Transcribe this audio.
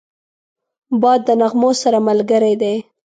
باد د نغمو سره ملګری دی